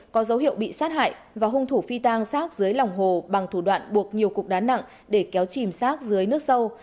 có dấu hiệu bị sát hại và hung thủ phi tang sát dưới lòng hồ bằng thủ đoạn buộc nhiều cục đá nặng để kéo chìm sát dưới nước sâu